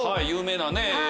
有名な絵。